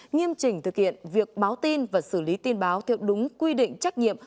nghiêm chỉnh thực hiện việc báo tin và xử lý tin báo theo đúng quy định trách nhiệm